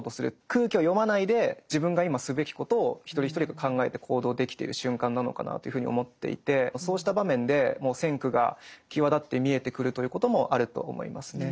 空気を読まないで自分が今すべきことを一人一人が考えて行動できている瞬間なのかなというふうに思っていてそうした場面でも「先駆」が際立って見えてくるということもあると思いますね。